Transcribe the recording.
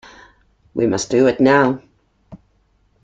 We must do it now.